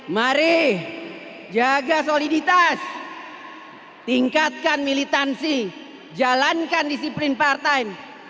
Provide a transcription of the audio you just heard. mari jaga soliditas tingkatkan militansi jalankan disiplin part time